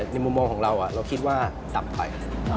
มุมมองของเราเราคิดว่ากลับไป